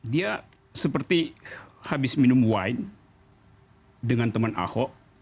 dia seperti habis minum wine dengan teman ahok